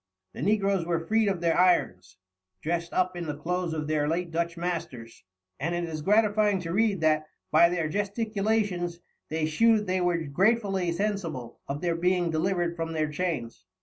The negroes were freed of their irons, dressed up in the clothes of their late Dutch masters, and it is gratifying to read that "by their Gesticulations, they shew'd they were gratefully sensible of their being delivered from their Chains."